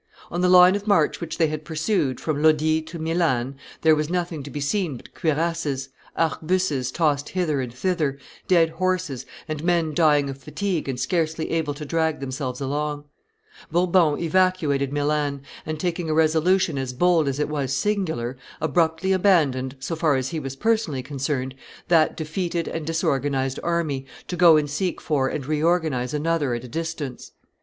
On the line of march which they had pursued, from Lodi to Milan, there was nothing to be seen but cuirasses, arquebuses tossed hither and thither, dead horses, and men dying of fatigue and scarcely able to drag themselves along. Bourbon evacuated Milan, and, taking a resolution as bold as it was singular, abruptly abandoned, so far as he was personally concerned, that defeated and disorganized army, to go and seek for and reorganize another at a distance.